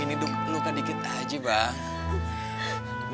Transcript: ini luka dikit aja bang